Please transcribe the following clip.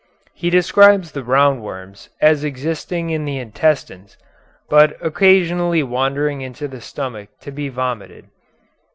He describes the roundworms as existing in the intestines, but occasionally wandering into the stomach to be vomited.